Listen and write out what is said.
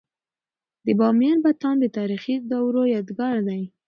د بامیانو بتان د تاریخي دورو یادګار دی.